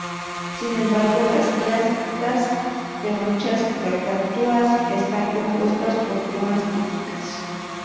Sin embargo las crestas de muchas cacatúas están compuestas por plumas típicas.